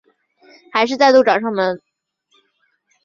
还是再度找上门